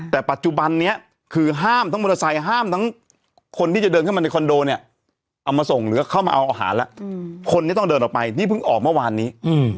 แต่ปัจจุบันนี้คือห้ามทั้งมอเตอร์ไซค์ห้ามทั้งคนที่จะเดินเข้ามาในคอนโดเนี่ยเอามาส่งหรือเข้ามาเอาอาหารแล้วคนนี้ต้องเดินออกไปนี่เพิ่งออกเมื่อวานนี้